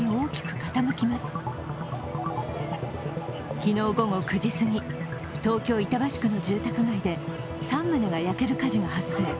昨日午後９時すぎ東京・板橋区の住宅街で３棟が焼ける火事が発生。